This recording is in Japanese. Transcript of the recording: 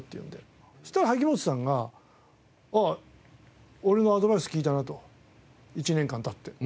そしたら萩本さんが「おい俺のアドバイス効いたな」と１年間経って。